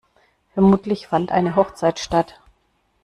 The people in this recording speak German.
Vermutlich fand eine Hochzeit statt.